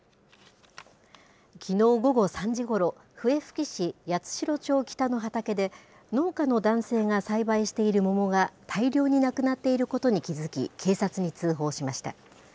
きのう午後３時ごろ、笛吹市八代町北の畑で、農家の男性が栽培している桃が大量になくなっていることに気付き、警察に通報しました。